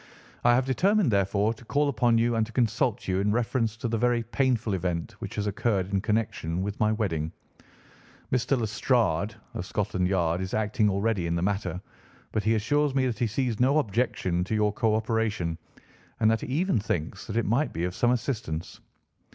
I have determined, therefore, to call upon you and to consult you in reference to the very painful event which has occurred in connection with my wedding. Mr. Lestrade, of Scotland Yard, is acting already in the matter, but he assures me that he sees no objection to your co operation, and that he even thinks that it might be of some assistance.